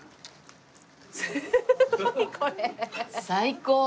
最高。